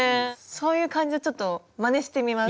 そういう感じでちょっとまねしてみます。